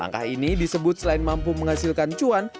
langkah ini disebut selain mampu menghasilkan cuan